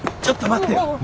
ちょっと待ってよ。